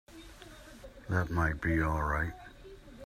That might be all right.